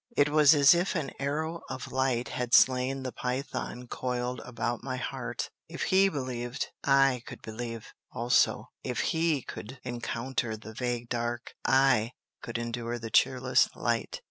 It was as if an arrow of light had slain the Python coiled about my heart. If he believed, I could believe also; if he could encounter the vague dark, I could endure the cheerless light.